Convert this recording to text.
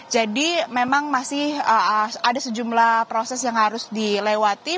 jadi memang masih ada sejumlah proses yang harus dilewati